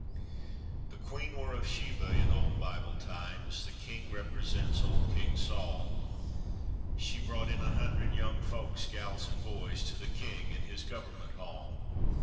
The 'queen' war of Sheba in old Bible times, The 'king' represents old King Sol. She brought in a hundred young folks, gals an' boys, To the king in his government hall.